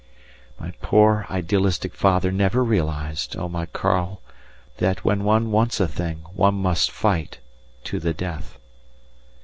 "] My poor idealistic father never realized, oh, my Karl, that when one wants a thing one must fight to the death.